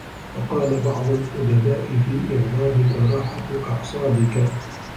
وَقَالَ بَعْضُ الْأُدَبَاءِ فِي إغْضَابِك رَاحَةُ أَعْصَابِك